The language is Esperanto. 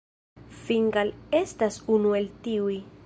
Fingal estas unu el tiuj.